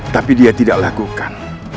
tapi dia tidak lakukan